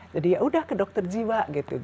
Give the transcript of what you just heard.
jadi yaudah ke dokter jiwa gitu